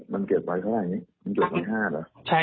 มันเก็บไว้เท่าไรนี้